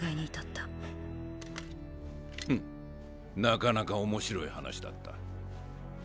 ふんなかなか面白い話だった。